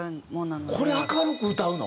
これ明るく歌うの？